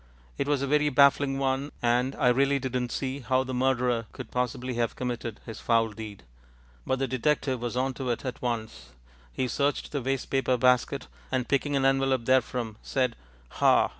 It was a very baffling one, and I really didn't see how the murderer could possibly have committed his foul deed. But the detective was on to it at once. He searched the wastepaper basket, and, picking an envelope therefrom, said "Ha!"